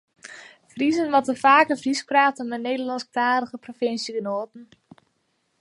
Friezen moatte faker Frysk prate mei Nederlânsktalige provinsjegenoaten.